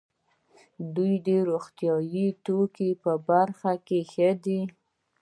دوی د روغتیايي توکو په برخه کې ښه دي.